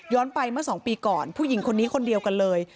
ไปเมื่อ๒ปีก่อนผู้หญิงคนนี้คนเดียวกันเลย